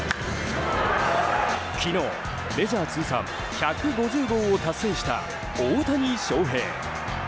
昨日、メジャー通算１５０号を達成した大谷翔平。